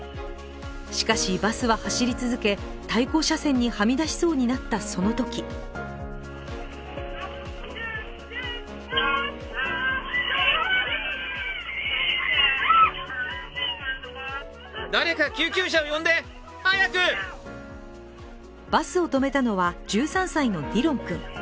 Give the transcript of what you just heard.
しかしバスは走り続け対向車線にはみ出しそうになったそのときバスを止めたのは１３歳のディロン君。